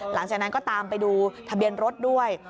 หลังจากนั้นก็ตามไปดูทะเบียนรถด้วย